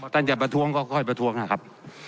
ท่านจะประท้วงก็ค่อยประท้วงนะครับ